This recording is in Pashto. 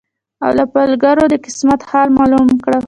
او له پالګرو د قسمت حال معلوم کړم